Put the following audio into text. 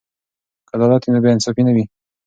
که عدالت وي نو بې انصافي نه وي.